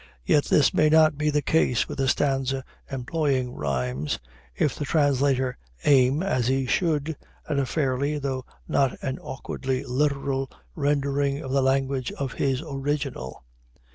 Yet this may not be the case with a stanza employing rhymes, if the translator aim, as he should, at a fairly, though not an awkwardly literal rendering of the language of his original.